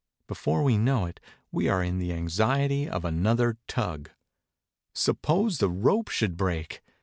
Before we know it we are in the anxiety of another tug. Sup pose the rope should break!